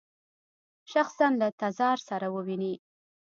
شخصاً له تزار سره وویني.